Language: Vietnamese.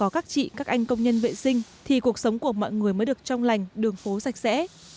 các chị các anh công nhân vệ sinh thì cuộc sống của mọi người mới được trong lành đường phố sạch sẽ